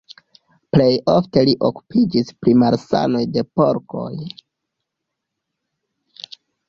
Plej ofte li okupiĝis pri malsanoj de porkoj.